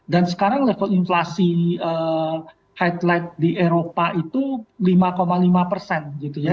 dan sekarang level inflasi headlight di eropa itu lima lima persen gitu ya